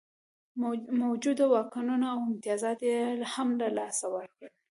موجوده واکونه او امتیازات یې هم له لاسه ورکول.